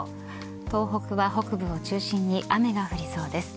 東北は北部を中心に雨が降りそうです。